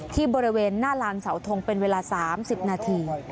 ที่บริเวณหน้าลานเสาทงเป็นเวลา๓๐นาที